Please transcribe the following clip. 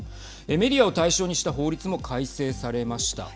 メディアを対象にした法律も改正されました。